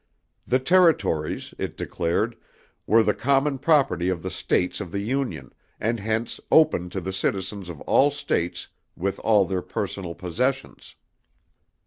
The territories, it declared, were the common property of the states of the Union and hence open to the citizens of all states with all their personal possessions.